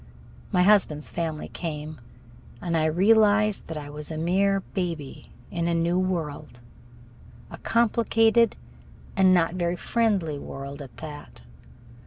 My husband's family came, and I realized that I was a mere baby in a new world a complicated and not very friendly world, at that.